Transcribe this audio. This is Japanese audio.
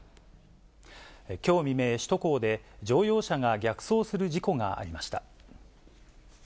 きょう未明、首都高で乗用車が逆走する事故がありました。